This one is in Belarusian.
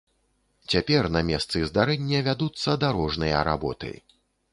Цяпер на месцы здарэння вядуцца дарожныя работы.